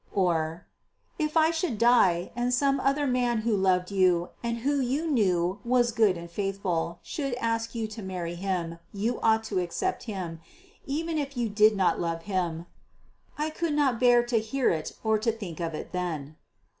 Or, "If I should die, and some other man who loved you, and who you knew was good and faithful, should ask you to marry him, you ought to accept him, even if you did not love him." I never could bear to hear it or to think of it then.